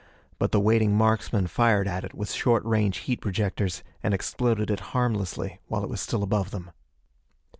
But the waiting marksmen fired at it with short range heat projectors and exploded it harmlessly while it was still above them.